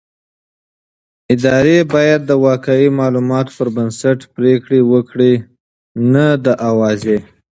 ادارې بايد د واقعي معلوماتو پر بنسټ پرېکړې وکړي نه د اوازې.